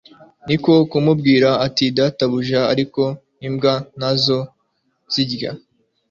Niko kumubwira ati : "Databuja ariko imbwa na zo zirya